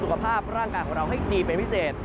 สุขภาพร่างกายของเราให้ดีเป็นพิเศษ